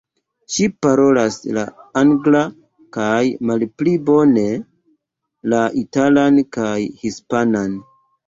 Ŝi parolas la anglan kaj, malpli bone, la italan kaj hispanan.